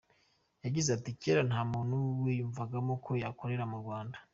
Yagize ati “Kera nta muntu wiyumvagamo ko yakorera mu Rwanda.